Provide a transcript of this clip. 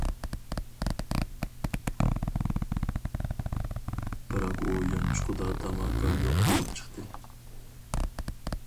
بىراق ئۇ يانچۇقىدا تاماكا يوق بولۇپ چىقتى.